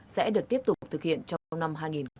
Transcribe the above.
sẽ được tiếp tục thực hiện trong năm hai nghìn hai mươi